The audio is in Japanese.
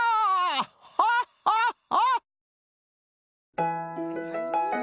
ハッハッハ！